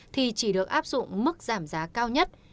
thì chỉ được áp dụng mức giảm giá cao nhất